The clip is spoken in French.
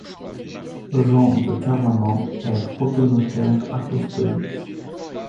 Jean de Caraman est protonotaire apostolique.